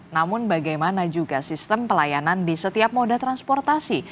namun bagaimana juga sistem pelayanan di setiap moda transportasi